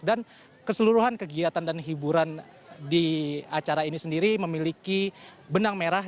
dan keseluruhan kegiatan dan hiburan di acara ini sendiri memiliki benang merah